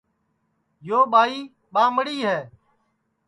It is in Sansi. یو ٻائی ٻامڑی ہے